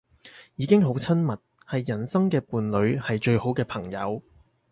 已經好親密，係人生嘅伴侶，係最好嘅朋友